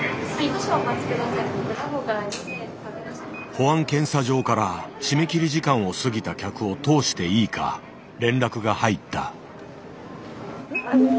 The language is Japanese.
保安検査場から締め切り時間を過ぎた客を通していいか連絡が入った。